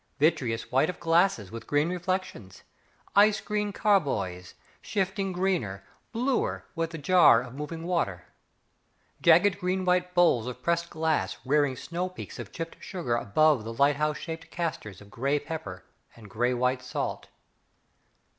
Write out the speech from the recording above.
Vitreous white of glasses with green reflections, Ice green carboys, shifting greener, bluer with the jar of moving water. Jagged green white bowls of pressed glass Rearing snow peaks of chipped sugar Above the lighthouse shaped castors Of grey pepper and grey white salt.